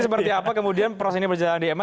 seperti apa kemudian proses ini berjalan di ma